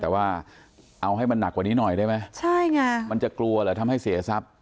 แต่ว่าเอาให้มันหนักกว่านี้หน่อยได้ไหมใช่ไงมันจะกลัวเหรอทำให้เสียทรัพย์